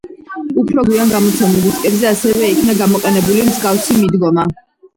უფრო გვიან გამოცემულ დისკებზე ასევე იქნა გამოყენებული მსგავსი მიდგომა.